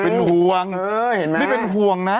เห้ยเห็นไหมถูกเว้ยเว้ยไม่เป็นห่วงนะ